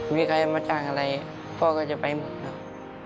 มีใครมาจ้างอะไรพ่อก็จะไปหมดครับ